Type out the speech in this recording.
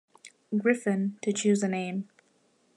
Griffin, to choose a name.